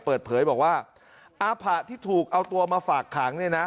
เปิดเผยบอกว่าอาผะที่ถูกเอาตัวมาฝากขังเนี่ยนะ